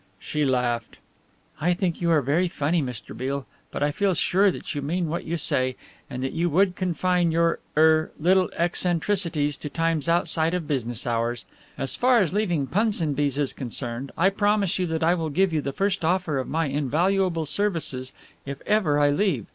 She laughed. "I think you are very funny, Mr. Beale, but I feel sure that you mean what you say, and that you would confine your er little eccentricities to times outside of business hours. As far as leaving Punsonby's is concerned I promise you that I will give you the first offer of my invaluable services if ever I leave.